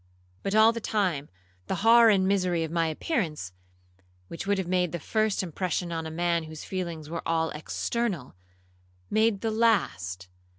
'But, all the time, the horror and misery of my appearance, which would have made the first impression on a man whose feelings were at all external, made the last.